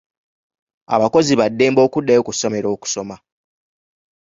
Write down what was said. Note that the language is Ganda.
Abakozi ba ddembe okuddayo ku ssomero okusoma.